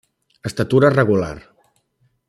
Estatura regular.